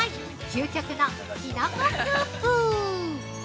究極のきのこスープ！